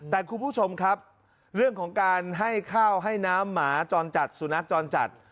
แต่คุณผู้ชมครับเรื่องของการให้ข้าวให้น้ำหมาจรจัดสุนัขจรจัด